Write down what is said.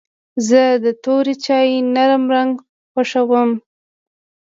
زه د تور چای نرم رنګ خوښوم.